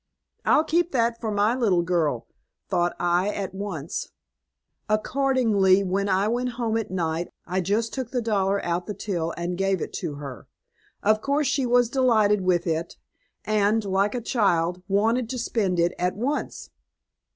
'I'll keep that for my little girl,' thought I at once. Accordingly, when I went home at night, I just took the dollar out the till, and gave it to her. Of course she was delighted with it, and, like a child, wanted to spend it at once.